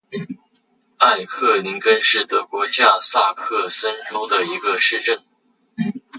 艾克林根是德国下萨克森州的一个市镇。